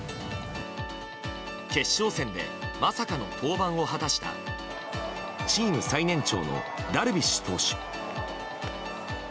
決勝戦でまさかの登板を果たしたチーム最年長のダルビッシュ投手。